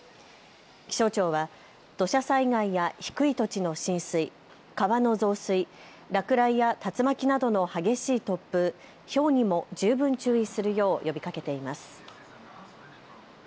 気象庁は土砂災害や低い土地の浸水、川の増水、落雷や竜巻などの激しい突風、ひょうにも十分注意するよう呼びかけています。